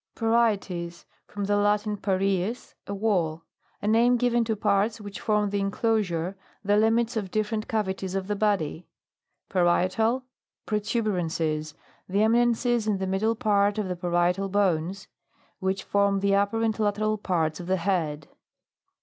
PARIETES. From the Latin, paries, a wall. A name given to parts, which form the inclosure the limits of different cavities of the body. PARIETAL (protuberances.) The emi nences in the middle part of the parietal banes, which form the up per and lateral parts of the head.